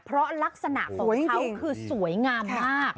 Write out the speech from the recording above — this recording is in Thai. เพราะลักษณะของเขาคือสวยงามมาก